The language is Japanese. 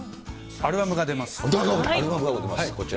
アルバムが出ます、こちら。